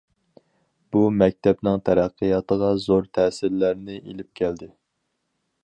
بۇ مەكتەپنىڭ تەرەققىياتىغا زور تەسىرلەرنى ئېلىپ كەلدى.